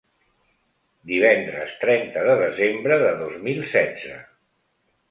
Divendres trenta de desembre de dos mil setze.